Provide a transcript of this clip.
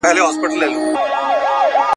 زموږ په سیوري کي جامونه کړنګېدلای ,